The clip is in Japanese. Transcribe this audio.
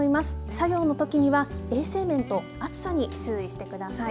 作業のときには衛生面と暑さに注意してください。